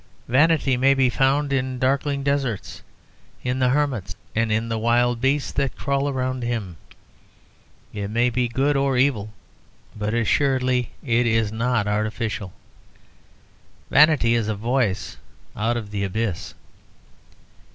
Vanity may be found in darkling deserts, in the hermit and in the wild beasts that crawl around him. It may be good or evil, but assuredly it is not artificial: vanity is a voice out of the abyss.